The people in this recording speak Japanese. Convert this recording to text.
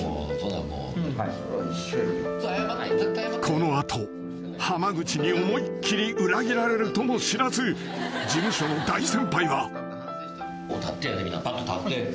［この後濱口に思いっ切り裏切られるとも知らず事務所の大先輩は］